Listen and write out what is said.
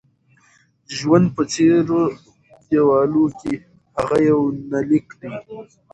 ژوند په څيرو دېوالو کې: هغه یونلیک دی